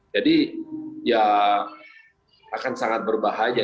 jadi ya akan sangat berbahaya